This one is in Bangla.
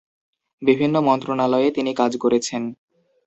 বিভিন্ন মন্ত্রণালয়ে তিনি কাজ করেছেন।